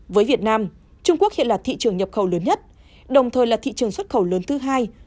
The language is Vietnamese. với việt nam trung quốc hiện là thị trường nhập khẩu lớn nhất đồng thời là thị trường xuất khẩu lớn thứ hai